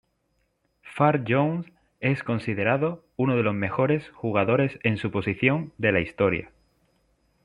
Farr-Jones es considerado uno de los mejores jugadores en su posición de la historia.